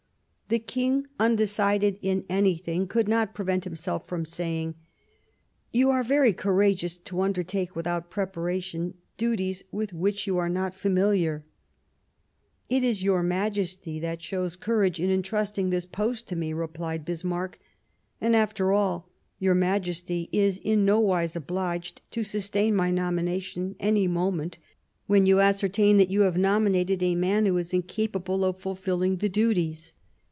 The King, of Frankfort ,.,,.,.■,■,, undecided m anything,, could not prevent himself from saying, " You are very courageous to undertake, without preparation, duties with which you are not familiar," " It is your Majesty that shows courage in entrusting this post to me," replied Bismarck ;" and, after all, your Majesty is in no wise obliged to sustain my nomination any moment when you ascertain that you have nominated a man who is incapable of fulfilling the duties.